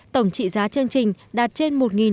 tổng trị giá chương trình đạt trên